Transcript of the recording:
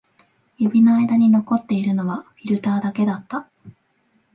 指の間に残っているのはフィルターだけだった